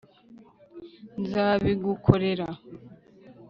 Nzabigukorera